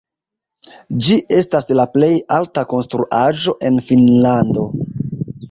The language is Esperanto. Ĝi estas la plej alta konstruaĵo en Finnlando.